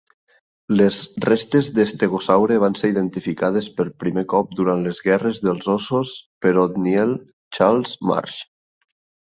Les restes d'estegosaure van ser identificades per primer cop durant les Guerres dels Ossos per Othniel Charles Marsh.